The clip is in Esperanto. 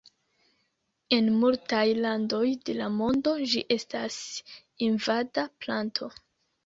En multaj landoj de la mondo ĝi estas invada planto.